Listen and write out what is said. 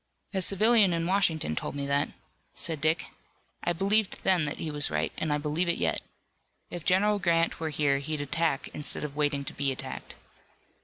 "A civilian in Washington told me that," said Dick. "I believed then that he was right, and I believe it yet. If General Grant were here he'd attack instead of waiting to be attacked."